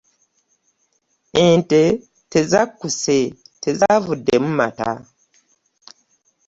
Ente tezakkuse tezaavuddemu mata.